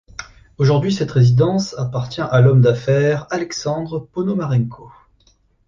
Aujourd'hui cette résidence appartient à l'homme d'affaires Alexandre Ponomarenko.